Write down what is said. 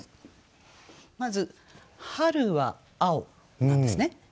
まず春は青なんですね。